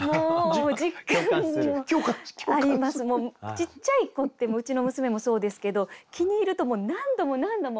ちっちゃい子ってうちの娘もそうですけど気に入ると何度も何度も。